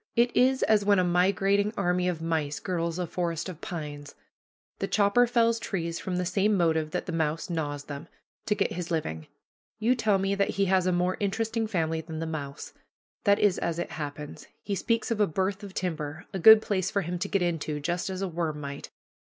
It is as when a migrating army of mice girdles a forest of pines. The chopper fells trees from the same motive that the mouse gnaws them to get his living. You tell me that he has a more interesting family than the mouse. That is as it happens. He speaks of a "berth" of timber, a good place for him to get into, just as a worm might.